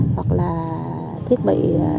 hoặc là thiết bị